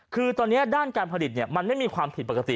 คือตอนนี้ด้านการผลิตมันไม่มีความผิดปกติ